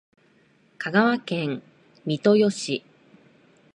香川県三豊市